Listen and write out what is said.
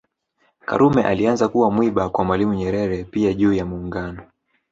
karume alianza kuwa mwiba kwa Mwalimu Nyerere pia juu ya Muungano